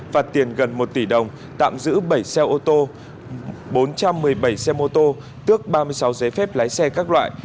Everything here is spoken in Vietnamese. phạt tiền gần một tỷ đồng tạm giữ bảy xe ô tô bốn trăm một mươi bảy xe mô tô tước ba mươi sáu giấy phép lái xe các loại